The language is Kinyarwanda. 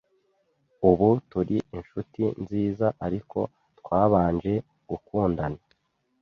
Ubu turi inshuti nziza, ariko twabanje gukundana.